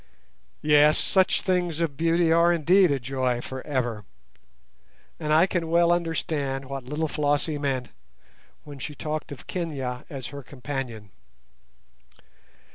Yes, such things of beauty are indeed a joy for ever, and I can well understand what little Flossie meant when she talked of Kenia as her companion.